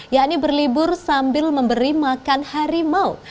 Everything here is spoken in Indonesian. yakni berlibur sambil memberi makan harimau